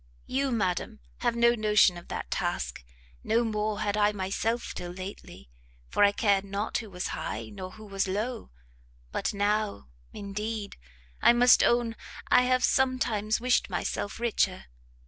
You, madam, have no notion of that task: no more had I myself till lately, for I cared not who was high, nor who was low: but now, indeed, I must own I have some times wished myself richer!